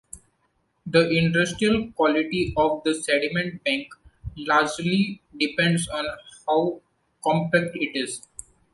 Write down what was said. The industrial quality of the sediment bank largely depends on how compact it is.